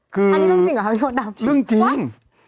คือเรื่องจริง